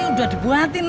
enak dong enak dong